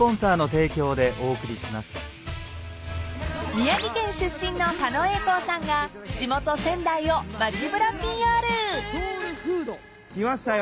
［宮城県出身の狩野英孝さんが地元仙台を街ぶらＰＲ］来ましたよ。